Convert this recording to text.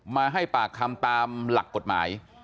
มาให้ปากคำตามหลักกฎหมาย